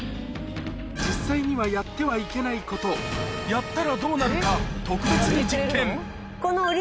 実際にはやってはいけないこと、やったらどうなるか、特別に実験。